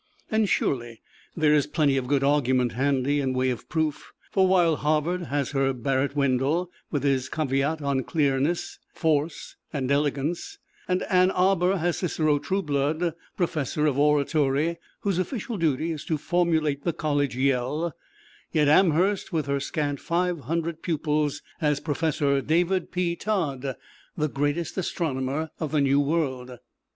And surely there is plenty of good argument handy, in way of proof; for while Harvard has her Barrett Wendell, with his caveat on clearness, force and elegance; and Ann Arbor has Cicero Trueblood, Professor of Oratory, whose official duty it is to formulate the College Yell; yet Amherst, with her scant five hundred pupils, has Professor David P. Todd, the greatest astronomer of the New World.